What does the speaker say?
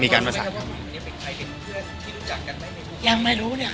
ครับผม